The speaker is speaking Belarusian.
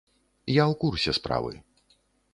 Я ў курсе справы.